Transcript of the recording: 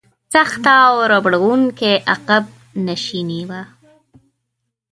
سخته او ربړونکې عقب نشیني وه.